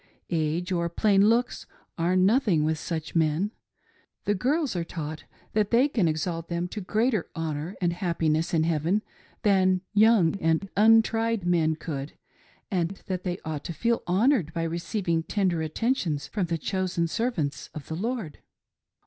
Age or plain looks are nothing with such men ; the girls are taught that they can exalt them to greater honor and happiness in heaven than young and untried men could, and that they ought to feel honored by receiving tender attentions from the chosen servants of the Lord.